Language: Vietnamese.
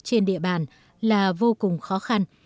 trên địa bàn là vô cùng khó khăn